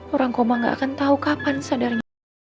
orang koma gak akan tahu kapan sadarnya